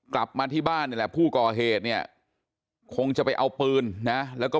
กลับมาที่บ้านนี่แหละผู้ก่อเหตุเนี่ยคงจะไปเอาปืนนะแล้วก็